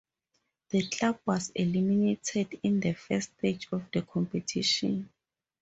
The club was eliminated in the first stage of the competition.